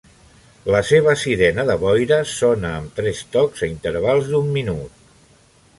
La seva sirena de boira sona amb tres tocs a intervals d'un minut.